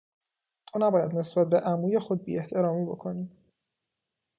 تو نباید نسبت به عموی خود بیاحترامی بکنی!